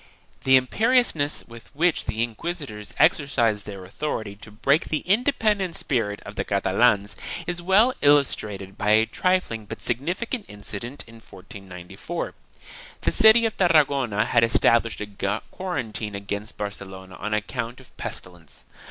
2 The imperiousness with which the inquisitors exercised their authority to break the independent spirit of the Catalans is well illustrated by a trifling but significant incident in 1494. The city of Tarragona had established a quarantine against Barcelona on account of pestilence.